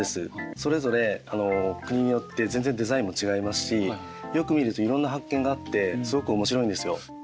それぞれ国によって全然デザインも違いますしよく見るといろんな発見があってすごく面白いんですよ。